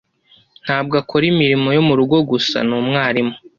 Ntabwo akora imirimo yo murugo gusa, ni umwarimu.